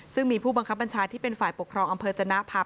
ซึ่งมีผู้บังคับบัญชาที่เป็นฝ่ายปกครองอำเภอจนะภาพ